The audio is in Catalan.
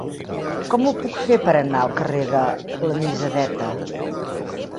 Com ho puc fer per anar al carrer de l'Anisadeta?